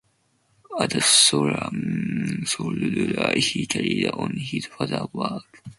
As a "sole ruler" he carried on his father's work.